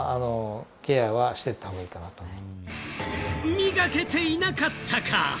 磨けていなかったか。